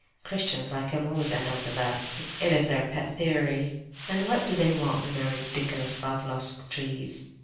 (Christians like him always end up with that—it is their pet theory.) And what do they want with their ridiculous 'Pavlofsk trees'?